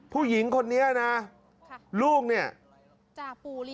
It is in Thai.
ผู้หญิงคนนี้ลูกนี่จากปู่เรียง